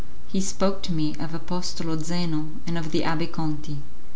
He spoke to me of Apostolo Zeno and of the Abbé Conti.